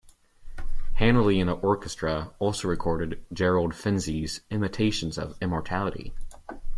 Handley and the orchestra also recorded Gerald Finzi's "Intimations of Immortality".